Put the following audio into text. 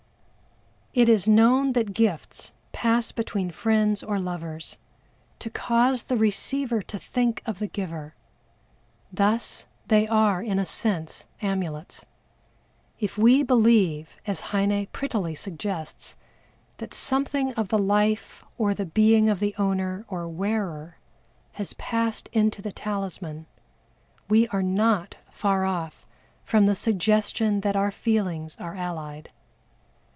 It is known that gifts pass between friends or lovers, to cause the receiver to think of the giver, thus they are in a sense amulets. If we believe, as HEINE prettily suggests, that something of the life or the being of the owner or wearer has passed into the talisman, we are not far off from the suggestion that our feelings are allied.